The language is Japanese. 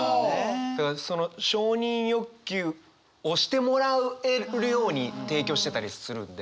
だからその承認欲求をしてもらえるように提供してたりするんで。